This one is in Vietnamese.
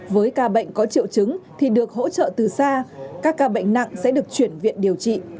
với ca bệnh có triệu chứng thì được hỗ trợ từ xa các ca bệnh nặng sẽ được chuyển viện điều trị